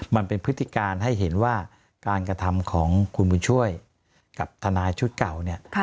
มันเป็นพฤติการให้เห็นว่าการกระทำของคุณบุญช่วยกับทนายชุดเก่าเนี่ย